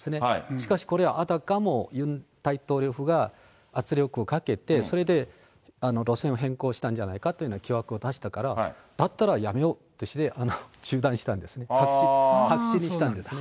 しかしこれはあたかもユン大統領が圧力をかけて、それで路線を変更したんじゃないかという疑惑を出したから、だったらやめようって中断したんですね、白紙にしたんですね。